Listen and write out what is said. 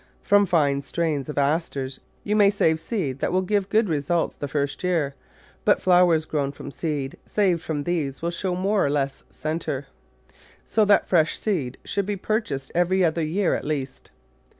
From fine strains of Asters you may save seed that will give good results the first year, but flowers grown from seed saved from these will show more or less centre, so that fresh seed should be purchased every other year at least.